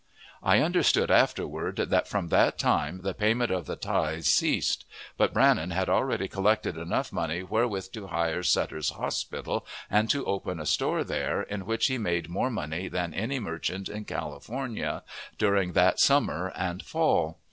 I understood, afterward, that from that time the payment of the tithes ceased, but Brannan had already collected enough money wherewith to hire Sutter's hospital, and to open a store there, in which he made more money than any merchant in California, during that summer and fall.